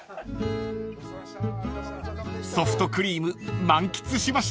［ソフトクリーム満喫しました］